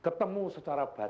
ketemu secara batin